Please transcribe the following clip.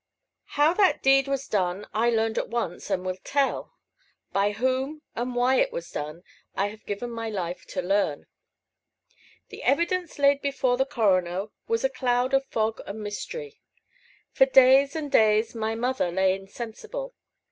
How that deed was done, I learned at once, and will tell. By whom and why it was done, I have given my life to learn. The evidence laid before the coroner was a cloud and fog of mystery. For days and days my mother lay insensible.